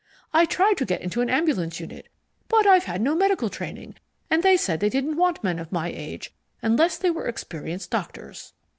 I tried to get into an ambulance unit, but I've had no medical training and they said they didn't want men of my age unless they were experienced doctors."